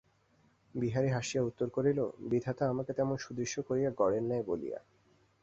বিহারী হাসিয়া উত্তর করিল, বিধাতা আমাকে তেমন সুদৃশ্য করিয়া গড়েন নাই বলিয়া।